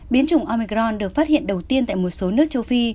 biến chủng omicron được phát hiện đầu tiên tại một số nước châu phi